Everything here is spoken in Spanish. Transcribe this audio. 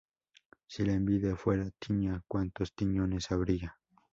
Si la envidia fuera tiña, ¡cuántos tiñosos habría!